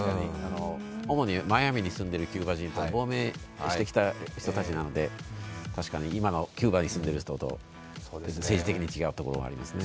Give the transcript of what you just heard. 主にマイアミに住んでいるキューバ人は亡命してきた人なので、確かに今のキューバに住んでる人と政治的に違う面もありますね。